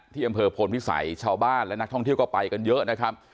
ที่อำเภอโพนพิสัยชาวบ้านและนักท่องเที่ยวก็ไปกันเยอะนะครับ